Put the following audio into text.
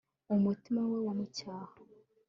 Umutima we wamucyaha